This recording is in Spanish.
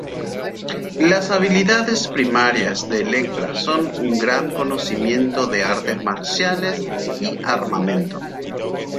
Las habilidades primarias de Elektra son un gran conocimiento de artes marciales y armamento.